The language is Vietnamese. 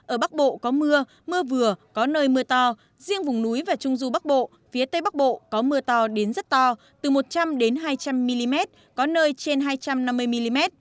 ở bắc bộ có mưa mưa vừa có nơi mưa to riêng vùng núi và trung du bắc bộ phía tây bắc bộ có mưa to đến rất to từ một trăm linh hai trăm linh mm có nơi trên hai trăm năm mươi mm